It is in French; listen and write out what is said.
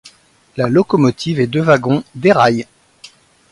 La locomotive et deux wagons déraillent.